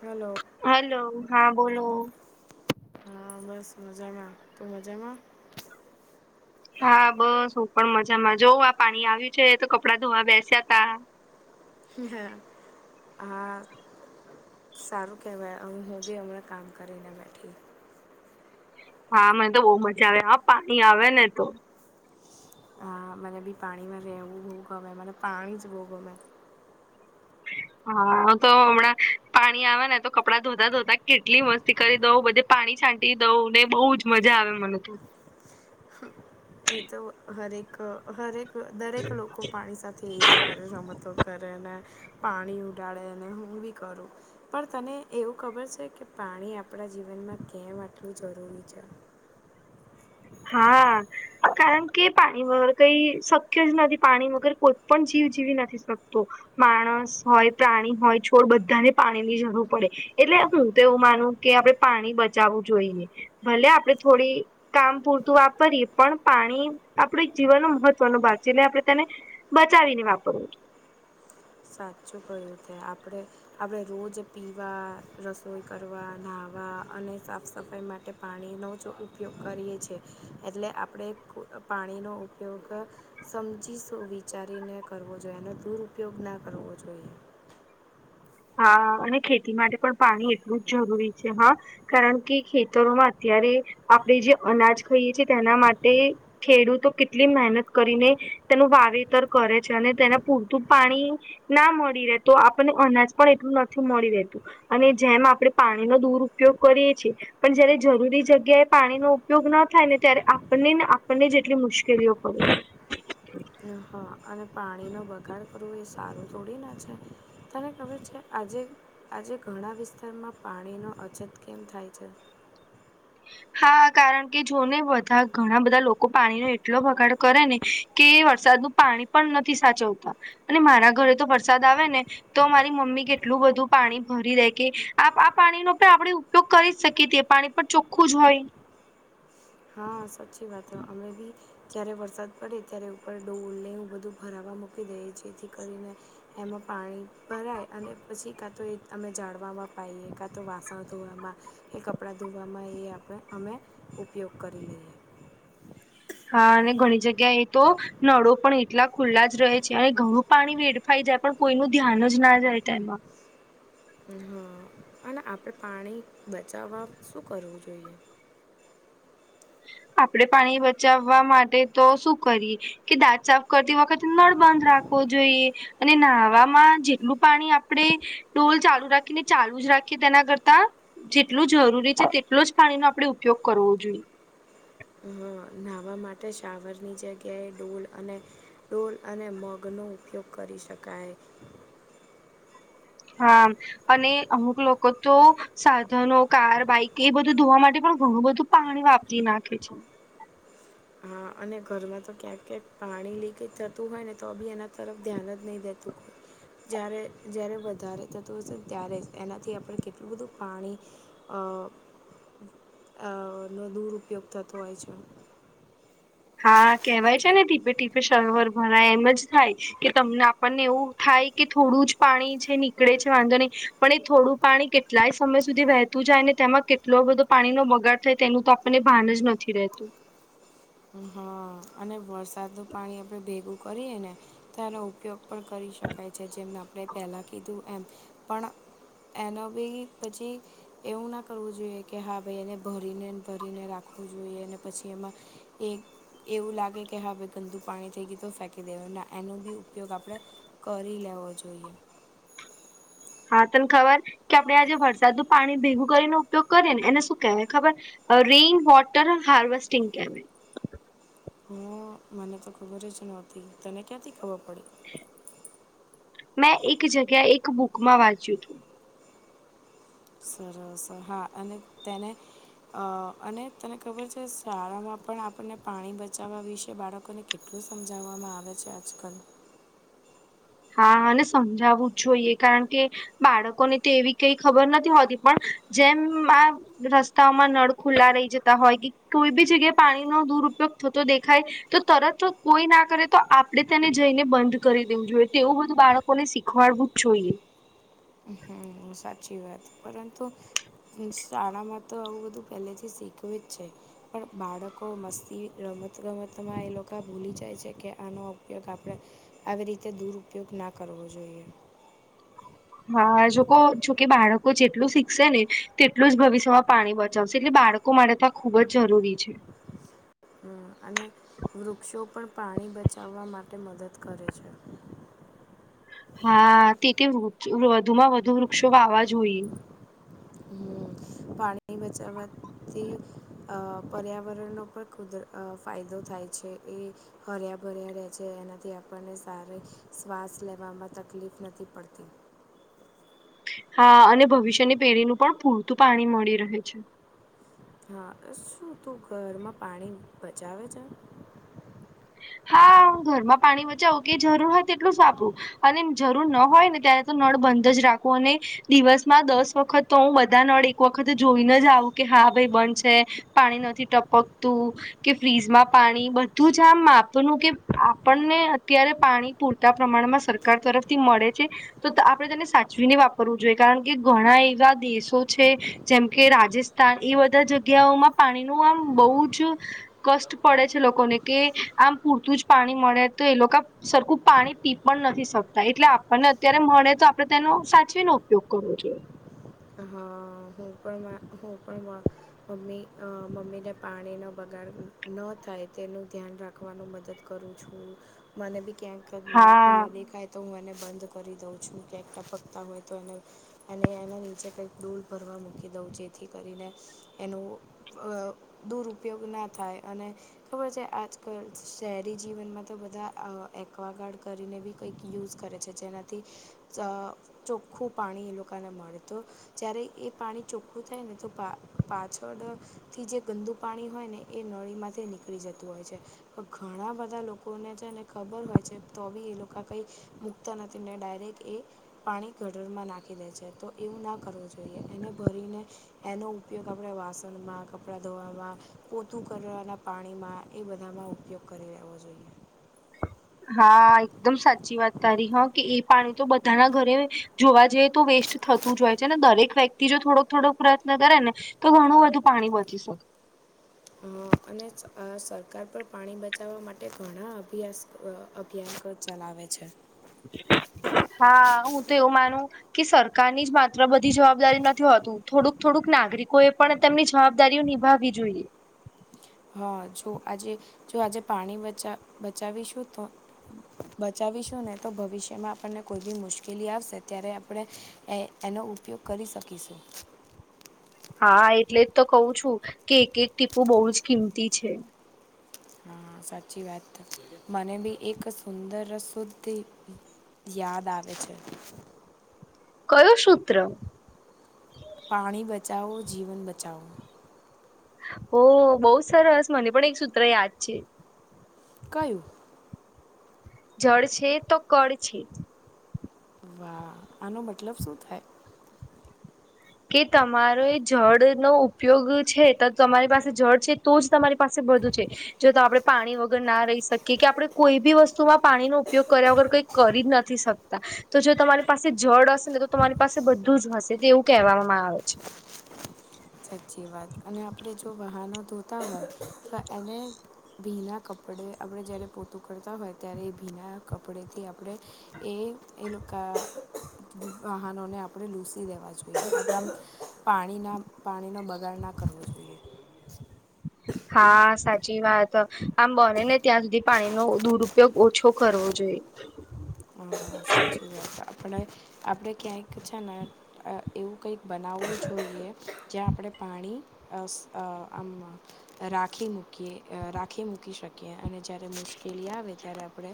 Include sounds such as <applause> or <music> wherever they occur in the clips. Hello. Hello હા બોલો. હા બસ મજામાં તું મજામાં. હા બસ હું પણ મજામાં જો આ પાણી આવ્યું છે તો કપડાં ધોવા બેસ્યા તા. અહ હા સારું કેવાય અમ હું બી હમણાં કામ કરીને બેઠી હા મને તો બહુ મજા આવે હા પાણી આવે ને તો હા મને બી પાણીમાં રહેવું બહુ ગમે મને પાણી જ બહુ ગમે હા તો હમણાં પાણી આવે ને તો કપડાં ધોતા ધોતા કેટલી મસ્ત થી કરી દઉં બધે પાણી છાંટી દઉં ને બહુ જ મજા આવે મને તો એ તો હરેક હરેક દરેક લોકો પાણી સાથે એ જ કરે રમતો કરે ને પાણી ઉડાડે ને હું બી કરું પણ તને એવું ખબર છે કે પાણી આપડા જીવનમાં કેમ આટલું જરૂરી છે. હા. કારણ કે પાણી વગર કઈ શક્ય જ નથી પાણી વગર કોઈ પણ જીવ જીવી નથી શકતું. માણસ હોય પ્રાણી હોય છોડ બધાને પાણી ની જરૂર પડે. એટલે હું તો એવું માનું કે આપડે પાણી બચાવું જોઈએ. ભલે આપડે થોડી કામ પૂરતું વાપરીએ પણ પાણી આપણું એક જીવનનો મહત્વનો ભાગ છે એટલે આપણે તેને બચાવીને વાપરવું સાચું કયું તે આપડે આપણે રોજ પીવા રસોઈ કરવા નાવા અને સાફ સફાઈ માટે પાણીનો જ ઉપયોગ કરીએ છીએ એટલે આપડે પાણીનો ઉપયોગ સમજીશ વિચારીને કરવો જોઈએ અને દુરપયોગ ના કરવો જોઈએ. હા અને ખેતી માટે પણ પાણી એટલું જ જરૂરી છે હ. કારણ કે ખેતરોમાં અત્યારે આપડે જે અનાજ ખાઈએ છીએ તેના માટે ખેડૂતો કેટલી મહેનત કરીને તેનું વાવેતર કરે છે અને તેને પૂરતું પાણી ના મળી રેતો આપણને અનાજ પણ એટલું નથી મળી રહેતું અને જેમ આપણે પાણીનો દુરુપયોગ કરીએ છે. પણ જયારે જરૂરી જગ્યાએ પાણીનો ઉપયોગ ન થાય ને ત્યારે આપને ને આપણને જેટલી મુશ્કેલીઓ પડે હા અને પાણીનો બગાડ કરવો એ સારું તોડી ના છે. તને ખબર છે, આજે આજે ઘણા વિસ્તારમાં પાણીનો અછત કેમ થાય છે? હા કારણ કે જો ને બધા ઘણા બધા લોકો પાણી ન એટલો બગાડ કરે ને કે વરસાદનું પાણી પણ નથી સાચવતા અને મારા ઘરે તો વરસાદ આવે ને તો મારી મમ્મી કેટલું બધું પાણી ભરી દે કે આ આ પાણી ન પણ આપણે ઉપયોગ કરી શકીએ તે પાણી પણ ચોખ્ખું જ હોય હા સચી વાત હ અમે બી જ્યારે વરસાદ પડે ત્યારે ઉપર ડોલને એવુ બધું ભરાવવા મૂકી દઈએ જેથી કરીને એમાં પાણી ભરાય અને પછી કાં તો એ અમે જાળવામાં પાાઈએ કાં તો વાસણ ધોવામાં એ કપડાં ધોવામાં એ આપણે અમે ઉપયોગ કરી લઈએ હા અને ઘણી જગ્યા એ તો નળો પણ એટલા ખુલ્લા જ રહે છે, અને ઘણું પાણી વેડ ફાય જાય પણ કોઈનું ધ્યાન જ ના જાય તેમાં હા અને આપણે પાણી બચાવવા શું કરવું જોઈએ? આપડે પાણી બચાવવા માટે તો શું કરીએ કે દાંત સાફ કરતી વખતે નળ બંધ રાખવો જોઈએ અને ન્હાવામાં જેટલું પાણી આપડે ડોલ ચાલુ રાખીને ચાલુ જ રાખીએ તેના કરતા જેટલું જરૂરી છે, તેટલ જ પાણીનો આપણે ઉપયોગ કરવો જોઈ હા. ન્હવા માટે શાવરની જગ્યાએ ડોલ અને ડોલ અને મગનો ઉપયોગ કરી શકાય હા અને અમુક લોકો તો સાધનો, કાર, બાઈક એ બધું ધોવા માટે પણ ઘણું બધું પાણી વાપરી નાખે છે. હા અને ઘરમાં તો ક્યાંક ક્યાંક પાણી લીકેજ થતું હોય ને તો બી એના તરફ ધ્યાન જ નહીં દેતું જ્યારે જ્યારે વધારે થતું હશે ત્યારે એનાથી આપણે કેટલું બધું પાણી અ અ નો દુર ઉપયોગ થતો હોય છે. હા કેહેવાય છે, ને ટીપે ટીપે સર્વર ભરાય એમ જ થાય કે તમને આપણને એવું થાય કે થોડું જ પાણી છે, નીકળે છે, વાંધો નહીં પણ એ થોડું પાણી કેટલાય સમય સુધી વે તું જાય ને તેમાં કેટલો બધો પાણીનો બગાડ થાય તેનું તો આપણને ભાન જ નથી રહેતું હા અને વરસાદનું પાણી આપણે ભેગું કરીએ ને તો એનો ઉપયોગ પણ કરી શકાય છે, જેમને આપણે પહેલાં કીધું એમ પણ એનો બી પછી એવું ના કરવું જોઈએ કે હા ભાઈ એને ભરીને ભરીને રાખવું જોઈએ અને પછી એમાં એક એવું લાગે કે હાવે ગંદુ પાણી થઈ ગય તો ફેંકી દેવા ના એનો બી ઉપયોગ આપણે કરી લેવો જોઈએ. હા તને ખબર કે આપડે આજે વરસાદનું પાણી ભેગું કરીને ઉપયોગ કરીએ ને એને શું કહેવાય ખબર? રેઇન વોટર હાર્વેસ્ટિંગ કેવાય હ મને તો ખબર જ નહોતી તને ક્યાંથી ખબર પડી મેં એક જગ્યા એક બુકમાં વાંચ્યું તું સરસ હા અને તેને અ અને તને ખબર છે, શાળામાં પણ આપણને પાણી બચાવવા વિશે બાળકોને કેટલું સમજાવવામાં આવે છે, આજકાલ હા અને સમજાવવું જ જોઈએ કારણ કે બાળકોને તો એવી કઈ ખબર નથી હોતી પણ જેમ આ રસ્તાઓમાં નળ ખુલ્લા રહી જતા હોય કે કોઈ બી જગ્યાએ પાણીનો દુરુપયોગ થતો દેખાય તો તરત કોઈ ના કરે તો આપણે તેને જઈને બંધ કરી દેવું જોએ તેવુ બધું બાળકો ને શીખવાડવું જ જોઈએ. હમ સાચી વાત પરંતુ. શાળામાં તો આવું બધું પહેલેથી શીખવી જ છે. પણ બાળકો મસ્તી રમતગમતમાં એ લોકો ભૂલી જાય છે કે આનો ઉપયોગ આપણે. આવી રીતે દુરપયોગ ના કરવો જોઈએ. હા જો જોકે બાળકો જેટલું શીખશે ને તેટલું જ ભવિષ્યમાં પાણી બચાવશે એટલે બાળકો. લોકો માટે તો આ ખુબ જ જરૂરી છે. હ અને વૃક્ષો પણ પાણી બચાવવા માટે મદદ કરે છે. હા તેથી વૃક્ષ વધુમાં વધુ વૃક્ષો વાવા જોઈએ. પાણી બચાવવાથી પર્યાવરણો પણ કુદર. ફાયદો થાય છે એ. હર્યા ભર્યા રહે છે એનાથી આપણને સારી શ્વાસ લેવામાં તકલીફ નથી પડતી. હા અને ભવિષ્યની પેઢીનું પણ પૂરતું પાણી મળી રહે છે. હા શું તું ઘરમાં પાણી બચાવે છે? હા હું ઘરમાં પાણી બચાવું કે જરૂર હોય તેટલું વાપરું. અને જરૂર ન હોય ને ત્યારે તો નળ બંધ જ રાખુ અને દિવસમાં દસ વખત તો હું બધા નળ એક વખત જોઈને જ આવું કે હા ભાઈ બંધ છે. પાણી નથી ટપકતું કે ફ્રીઝમાં પાણી બધું જ જમપનું કે આપણને અત્યારે પાણી પૂરતા પ્રમાણમાં સરકાર તરફથી મળે છે. તો આપણે તેને સાચવીને વાપરવું જોઈએ કારણ કે ઘણા એવા દેશો છે જેમ કે રાજસ્થ એ બધા જગ્યાઓમાં પાણી નું આમ બહુ જ કષ્ટ પડે છે લોકોને. કે આમ પૂરતું જ પાણી મળે તો એ લોકો સરખું પાણી પી પણ નથી શકતા એટલે આપણને અત્યારે મળે તો આપણે તેનો સાચવીનો ઉપયોગ કરવો જોઈએ. હા હું પણમા હું પણમાં મમ્મી મમ્મીને પાણીનો બગાડ ન થાય તેનું ધ્યાન રાખવાનું મદદ કરું છું મને બી ક્યાંક નળ હા. ખુલ્લા દેખાય તો હું એને બંધ કરી દઉં છું ક્યાંકટા પકતા હોય તો એને અને એના નીચે કંક દોલ ભરવા મૂકી દઉં જેથી કરીને એનું દુરપયોગ ના થાય અને ખબર છે આજકાલ શહેરી જીવનમાં તો બધા એકવાગાર્ડ કરીને બી કંઈક યુઝ કરે છે જેનાથી ચોખ્ખું પાણી એ લોકોને મળે‌ તો જ્યારે એ પાણી ચોખ્ખું થાય ને તો પા પાછળ થી જે ગંદુ પાણી હોય ને એ નળીમાંથી નીકળી જતું હોય છે. પણ ઘણા બધા લોકોને છેને ખબર હોય છે તો બી એ લોકો કઈ મુૂકતા નથી ને ડાયરેક્ટ એ પાણી ગટરમાં નાખી દે છે તો એવું ના કરવું જોઈએ એને ભરીને એનો ઉપયોગ આપણે વાસણમાં, કપડાં ધોવામાં પોતું કરવાના પાણીમાં એ બધામાં ઉપયોગ કરી લેવો જોઈએ. હા એકદમ સાચી વાત તારી હા કે એ પાણી તો બધાના ઘરે જોવા જઈ તો વેસ્ટ થતું જ હોય. ને દરેક વ્યક્તિ જો થોડોક થોડો પ્રયત્ન કરે ને તો ઘણું બધુ પાણી બચી શકે. અને સરકાર પર પાણી બચાવવા માટે ઘણા અભ્યાસ અભિયાન કર ચલાવેે છે. હા હું તો એવું માનું કે સરકારની જ માત્ર બધી જવાબદારી નથી હોતું થોડુંક થોડુંક નાગરિકો એ પણ તેમની જવાબદારીઓ નિભાવવી જોઈએ. હા જો આજે જો આજે પાણી બચા બચાવીશું તો બચાવીશું ને તો ભવિષ્યમાં આપણને કોઈ બી મુશ્કેલી આવશે ત્યારે આપણે એ એનો ઉપયોગ કરી શકીશું. હા એટલે જ તો કહું છું કે એક એક ટીપું બહુ જ કિંમતી છે. હા સાચી વાત મને બી એક સુંદર શુદ્ધ યાદ આવે છે. કયોું સૂત્ર? પાણી બચાઓ જીવન બચાઓ. ઓ બહુ જ સરસ મને પણ એક સૂત્ર યાદ છે. કું? જળ છે તો કળ છે. વાહ આનો મતલબ શું થાય? કે તમારો એ જળનોો ઉપયોગ છે તો તમારી પાસે જળ છે. તો જ તમારી પાસે બધું છે જો તો આપણે પાણી વગર ના રહી શકીએ કે આપડણે કોઈ બી વસ્તુ વસ્તુમાં પાણીનોો ઉપયોગ કર્યા વગર કઈ કરી નથી શકતા તો જો તમારી પાસે જળ હશે ને તો તમારી પાસે બધું જ હશે તેવું કહેવામાં આવે છે. સાચી વાત અને આપણે જો વહાનો ધોતા હોય તો એને... ભીના કપડે આપડણે જયારે પોતું કરતા હોય... ત્યારે ભીના કપડેથી આપણે એ એ લોકો... વાહનોને આપણે લૂસી દેવા જોઈએમ પાણીના... પાણીનો બગાડ ના કરવો જોઈએ. હા સાચી વાત આમ બને ને ત્યાં સુધી પાણીનો દુરપયોગ ઓછો કરવો જોઈએ. <inaudible> સાચી વાત આપણે આપણે ક્યાંક છે ને... એવું કંઈક બનાવવું જોઈએ જ્યાં આપણે પાણી... આમ રાખી મૂકીએ રાખી મૂકી શકીએ અને... જ્યારે મુશ્કેલી આવે ત્યારે આપણે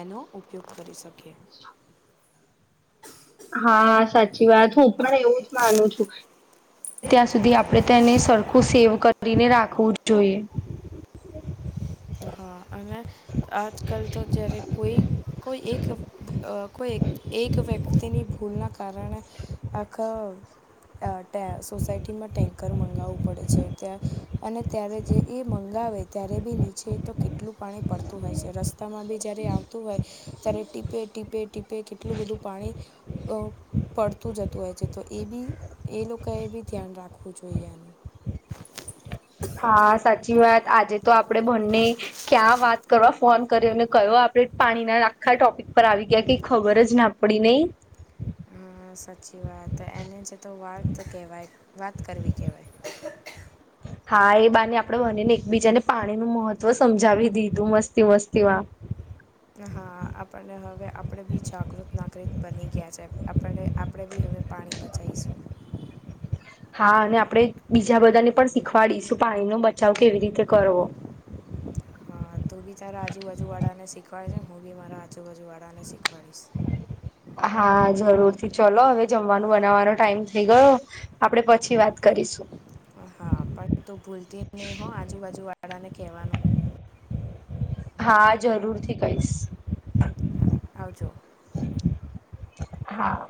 એનો ઉપયોગ કરી શકીએ. <inaudible> હા સાચી વાત હું, પણ એવું જ માનું છું, ત્યાં સુધી... આપણે તેને સરખું સેવ કરીને રાખવું જોઈએ. હા અને... આજકાલ તો જ્યારે કોઈ કોઈ એક કોઈ... એક વ્યક્તિની ભૂલના કારણ આખ.... સોસાયટીમાં ટેન્કર મંગાવવું પડે છે ત્યાં... અને ત્યારે જે એ મંગાવે ત્યારે બી ની... છે, તો કેટલું પાણી પડતું હોય છે, રસ્તામાં બી જ્યારે આવતું હોય ત્યારે ટીપે ટીપ... ટીપે ટીપે કેટલું બધું પાણી... પડતું જતું હોય છે, તો એ બી એ લોકોએ પણ ધ્યાન રાખવું જોઈએ એનું... હા સાચી વાત આજે તો આપડે બંને... ક્યાં વાત કરવા ફોન કર્યોને કહયો આપડે પાણીના આખા ટોપિક... પર આવી ગ્યાં કઈ ખબર જ ના પડી નહી... હ સાચી વાત એને છે, તો વાત કહેવાય વાત કરવી કહેવાય... હા એ બાને આપડે બની ને એકબીજાને પાણી નું મહત્વ સમજાવી દીધું મસ્તી મસ્તી <unintelligible> હા આપણને હવે આપણેે બી જાગૃત નાગરિક બની ગયા છે, <unintelligible> આપણે પણ હવે પાણી બચાવશું. હા અને આપણેે બીજા બધાને પણ શીખવાડીશું પાણીનો બચાવ કેવી રીતે કરવો. હ તું પણ તારા આજુબજુળાને શીખવાડે છે, ને હું પણ મારા આજુબાજુવાળાને શીખવાડીશ. હા જરૂરથી ચલો હવે જમવાનું બનાવવાનો ટાઈમ થઇ ગયો... આપડે પછી વાત કરીશું... હા પણ તમે ભૂલતી નહી હો, આજુબાજુ વાળા ને કવાનું... હા જરૂરથી કહીશ... આવજો... <unintelligible> હા